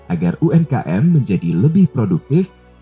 agar umkm menjadi lebih produktif